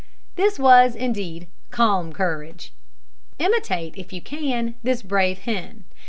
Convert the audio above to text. This was, indeed, calm courage. Imitate, if you can, this brave hen.